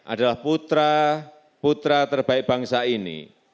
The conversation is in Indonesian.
adalah putra putra terbaik bangsa ini